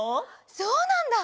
そうなんだ！